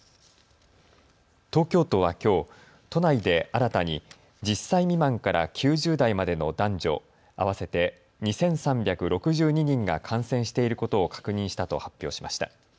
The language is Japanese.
東京都はきょう、都内で新たに１０歳未満から９０代までの男女合わせて２３６２人が感染していることを確認したと発表しました。